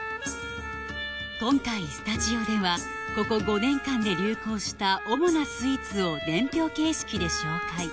今回スタジオではここ５年間で流行した主なスイーツを年表形式で紹介